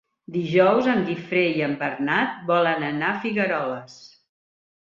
Dijous en Guifré i en Bernat volen anar a Figueroles.